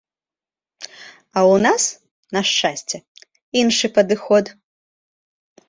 А ў нас, на шчасце, іншы падыход.